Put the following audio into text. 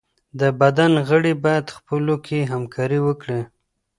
د بدن غړي بايد خپلو کي همکاري وکړي.